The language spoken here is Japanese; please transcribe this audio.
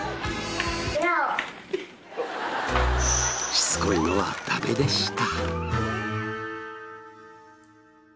しつこいのはダメでした。